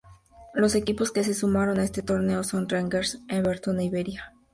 Los equipos que se sumaron a este torneo son Rangers, Everton e Iberia.